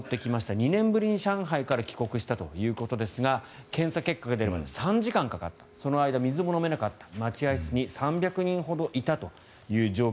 ２年ぶりに上海から帰国したということですが検査結果が出るまで３時間かかったその間、水も飲めなかった待合室には３００人ほどいたと。